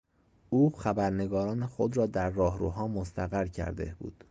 او خبرنگاران خود را در راهروها مستقر کرده بود.